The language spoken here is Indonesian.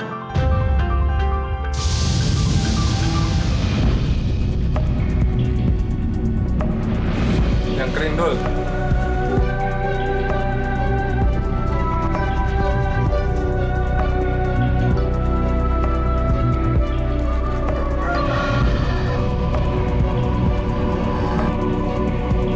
itu adalah arahan dierah